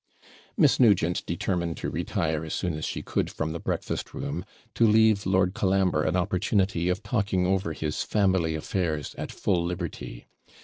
Miss Nugent determined to retire as soon as she could from the breakfast room, to leave Lord Colambre an opportunity of talking over his family affairs at full liberty.